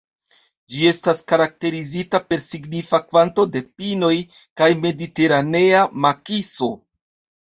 Ĝi estas karakterizita per signifa kvanto de pinoj kaj mediteranea makiso.